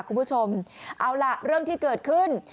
คุณผู้ชมเอาล่ะเรื่องที่เกิดขึ้น